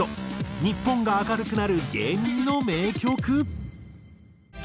日本が明るくなる芸人の名曲。